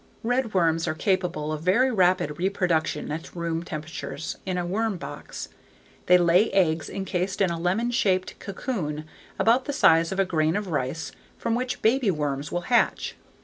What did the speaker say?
Redworms are capable of very rapid reproduction at room temperatures in a worm box. They lay eggs encased in a lemon shaped cocoon about the size of a grain of rice from which baby worms will hatch.